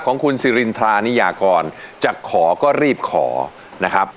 ของคุณสิรินทรานิยากรจะขอก็รีบขอนะครับ